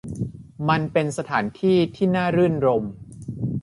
มันเป็นสถานที่ที่น่ารื่นรมย์